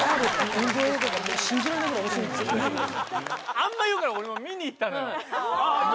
あんま言うから俺も見に行ったのよ。